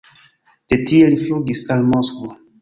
De tie li flugis al Moskvo.